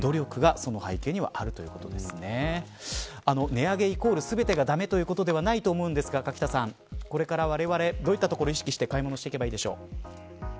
値上げイコール全てが駄目ということではないと思いますが垣田さん、これからわれわれどういったところを意識して買い物していけばいいでしょうか。